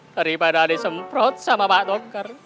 daripada disemprot sama pak toker